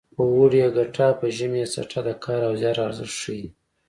په اوړي یې ګټه په ژمي یې څټه د کار او زیار ارزښت ښيي